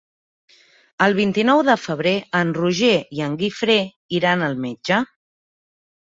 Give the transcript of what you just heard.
El vint-i-nou de febrer en Roger i en Guifré iran al metge.